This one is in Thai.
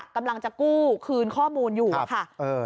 กำลังจะกู้คืนข้อมูลอยู่อะค่ะ